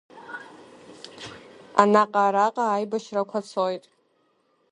Анаҟа-араҟа аибашьрақәа цоит.